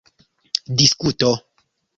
diskuto